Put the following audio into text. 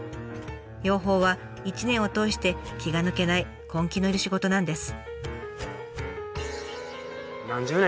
養蜂は一年を通して気が抜けない根気の要る仕事なんです。